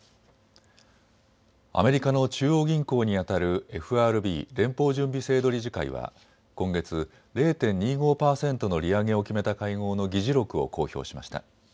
アメリカの中央銀行にあたるＦＲＢ・連邦準備制度理事会は今月０．２５％の利上げを決めた会合の議事録を公表しました。